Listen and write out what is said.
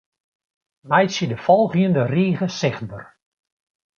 Meitsje de folgjende rige sichtber.